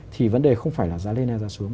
thì vấn đề không phải là giá lên hay giá xuống